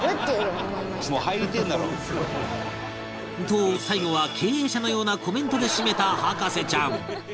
と最後は経営者のようなコメントで締めた博士ちゃん